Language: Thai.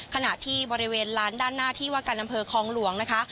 ขณะที่บริเวณร้านด้านหน้าที่ว่าการอำเภอคลองหลวงนะคะ